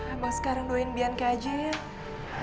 abang sekarang doain bianca aja ya